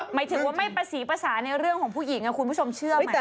หมายถึงว่าไม่ประสีภาษาในเรื่องของผู้หญิงคุณผู้ชมเชื่อไหม